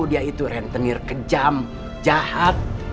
dia itu rentenir kejam jahat